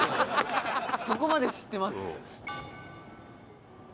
そこまで知ってます。